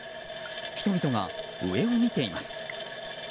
人々が上を見ています。